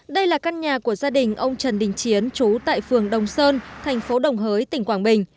đây là căn nhà của gia đình ông trần đình chiến chú tại phường đồng sơn thành phố đồng hới tỉnh quảng bình